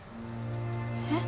えっ。